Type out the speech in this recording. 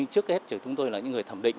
trước hết chúng tôi là những người thẩm định